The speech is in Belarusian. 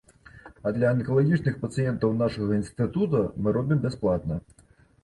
А для анкалагічных пацыентаў нашага інстытута мы робім бясплатна.